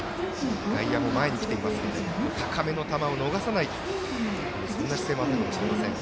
内野も前に来ていますので高めの球を逃さないというそんな姿勢もあったかもしれません。